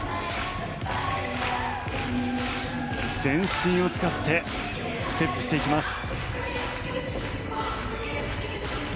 全身を使ってステップしていきます。